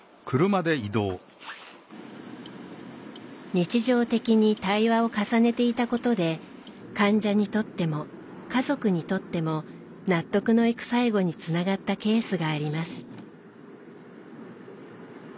日常的に対話を重ねていたことで患者にとっても家族にとっても納得のいく最後につながったケースがあります。